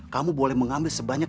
kamu boleh mengambil sebanyak